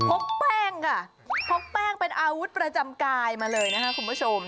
พกแป้งค่ะพกแป้งเป็นอาวุธประจำกายมาเลยนะคะคุณผู้ชม